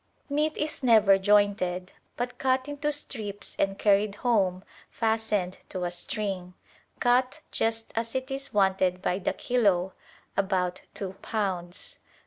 Meat is never jointed, but cut into strips and carried home fastened to a string; cut just as it is wanted by the kilo, about two pounds.